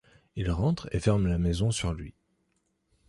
Il rentre et ferme la maison sur lui.